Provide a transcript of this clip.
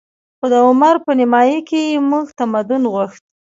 خو د عمر په نیمايي کې موږ تمدن غوښت